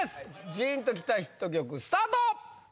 ジーンときたヒット曲スタート